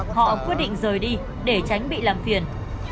họ quyết định rời đi để tránh bị làm phiền